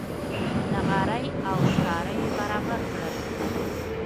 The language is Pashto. نغرۍ او سکاره یې برابر کړل.